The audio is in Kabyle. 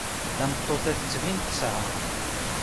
Tameṭṭut-a tettbin tesεa.